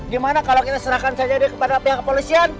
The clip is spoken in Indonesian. gimana kalau kita serahkan saja dia kepada pihak kepolisian